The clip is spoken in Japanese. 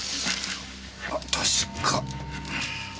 確か。